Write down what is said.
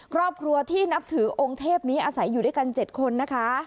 ครอบครัวที่นับถือองค์เทพนี้อาศัยอยู่ด้วยกัน๗คนนะคะ